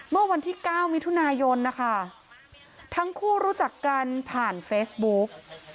เมื่อวันที่๙มิถุนายนนะคะทั้งคู่รู้จักกันผ่านเฟซบุ๊ก